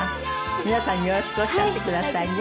皆さんによろしくお伝えてくださいね。